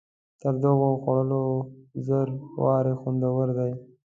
تر دغو خوړو زر وارې خوندور دی.